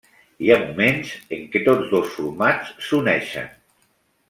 Hi ha moments en què tots dos formats s'uneixen.